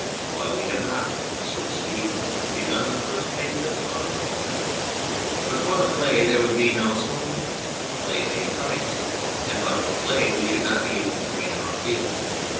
Why, we have not, so to speak, begun the first page of the volume ! But for clay there would be no smoking : clay made pipes. And but for clay we should not be able to drain our fields.